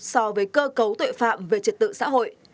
so với cơ cấu tội phạm về trật tự xã hội